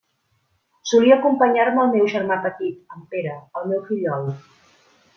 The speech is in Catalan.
Solia acompanyar-me el meu germà petit, en Pere, el meu fillol.